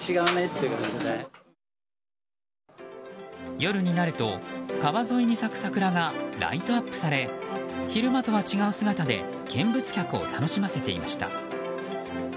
夜になると川沿いに咲く桜がライトアップされ昼間とは違う姿で見物客を楽しませていました。